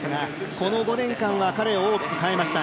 この５年間は彼を大きく変えました。